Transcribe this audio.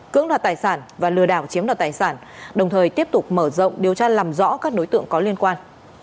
cưỡng đoạt tài sản và lừa đảo chiếm đoạt tài sản đồng thời tiếp tục mở rộng điều tra làm rõ các đối tượng có liên quan